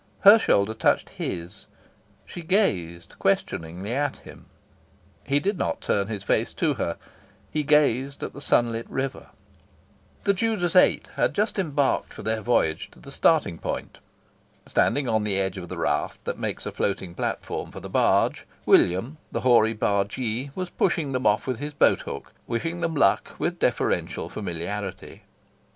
Her shoulder touched his. She gazed questioningly at him. He did not turn his face to her. He gazed at the sunlit river. The Judas Eight had just embarked for their voyage to the starting point. Standing on the edge of the raft that makes a floating platform for the barge, William, the hoary bargee, was pushing them off with his boat hook, wishing them luck with deferential familiarity.